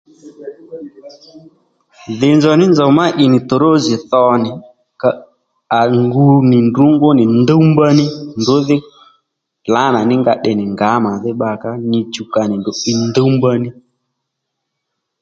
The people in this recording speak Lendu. Dhì nzòw ní nzòw má ì nì tòrózi dho nì à ngu nì ndrǔ ngú nì ndúwmba ní ndrǔ dhí lǎnà ní nga tde nì ngǎ màdhí bba kǎ nyi chuw ka nì ndrǔ iy ndúmba ní